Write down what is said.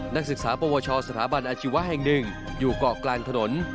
นักศึกษาปวชสถาบันอาชีวะแห่งหนึ่งอยู่เกาะกลางถนน